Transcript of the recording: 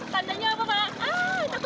tandanya apa pak